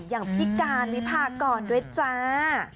อย่างพี่การวิพากรด้วยจ้า